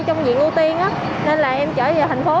trong viện ưu tiên á nên là em trở về tp hcm